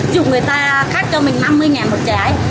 dùng người ta khắc cho mình năm mươi đồng một trái